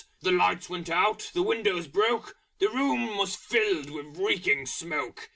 The Lights went out! The Windows broke! The Room was filled with reeking smoke.